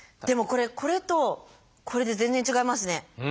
でもこれこれとこれで全然違いますね。